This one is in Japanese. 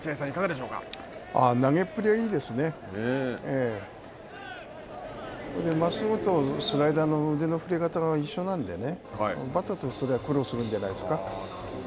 まっすぐとスライダーの腕の振り方が一緒なんでね、バッターとすれば苦労するんじゃないですか。